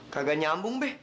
kagak nyambung be